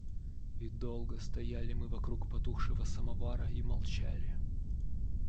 И долго стояли мы вокруг потухшего самовара и молчали.